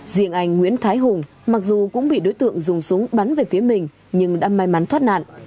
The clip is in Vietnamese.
riêng anh nguyễn thái hùng mặc dù cũng bị đối tượng dùng súng bắn về phía mình nhưng đã may mắn thoát nạn